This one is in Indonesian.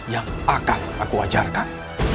yang akan aku ajarkan